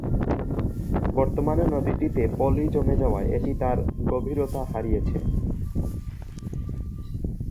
বর্তমানে নদীটিতে পলি জমে যাওয়ায় এটি তার গভীরতা হারিয়েছে।